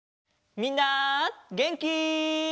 みんなげんき？